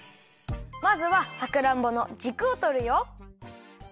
まずはさくらんぼのじくをとるよ。